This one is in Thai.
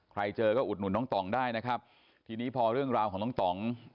เจอก็อุดหนุนน้องต่องได้นะครับทีนี้พอเรื่องราวของน้องต่อง